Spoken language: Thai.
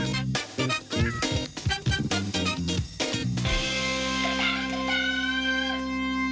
ครับ